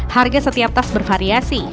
harga setiap tas bervariasi